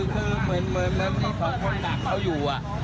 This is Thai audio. คือเหมือน๒คนดักเขาอยู่อ่ะ